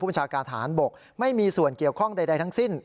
บัญชาการฐานบกไม่มีส่วนเกี่ยวข้องใดทั้งสิ้น